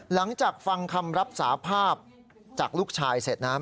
หลังจากฟังคำรับสาภาพจากลูกชายเสร็จนะ